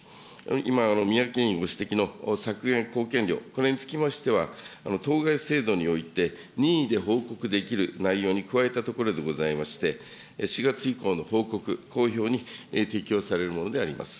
今、三宅委員ご指摘の削減貢献量、これにつきましては当該制度において、任意で報告できる内容に加えたところでございまして、４月以降の報告・公表に適用されるものであります。